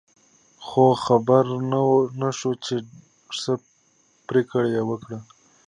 خو خبر نه شو چې څه پرېکړه یې وکړه.